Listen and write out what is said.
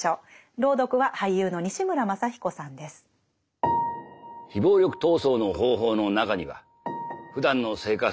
朗読は俳優の西村まさ彦さんです。